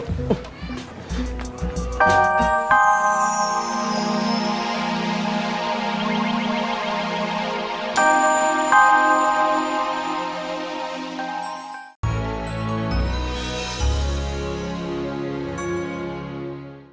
itu kotor semuanya gara gara kamu